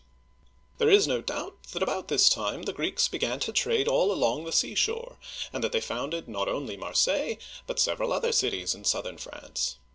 There is no doubt that about this time the Greeks began to trade all along the seashore, and that they founded not only Marseilles but several other cities in southern France.